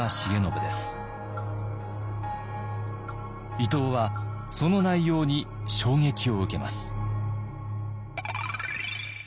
伊藤はその内容に衝撃を受けます。